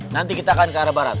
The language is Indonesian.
nanti kita akan ke arah barat